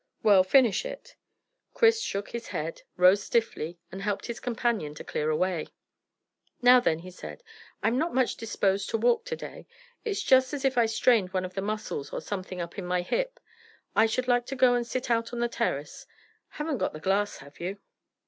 "Well, finish it." Chris shook his head, rose stiffly, and helped his companion to clear away. "Now then," he said, "I'm not much disposed to walk to day. It's just as if I'd strained one of the muscles or something up in my hip. I should like to go and sit out on the terrace. Haven't got the glass, have you?"